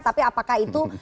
tapi apakah itu